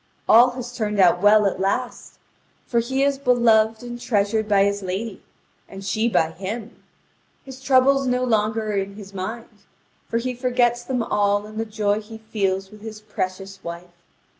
All has turned out well at last; for he is beloved and treasured by his lady, and she by him. His troubles no longer are in his mind; for he forgets them all in the joy he feels with his precious wife.